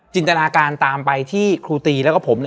ตนาการตามไปที่ครูตีแล้วก็ผม